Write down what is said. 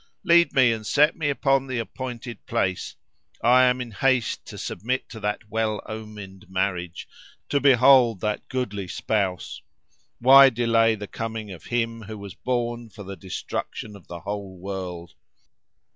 Lead me and set me upon the appointed place. I am in haste to submit to that well omened marriage, to behold that goodly spouse. Why delay the coming of him who was born for the destruction of the whole world?"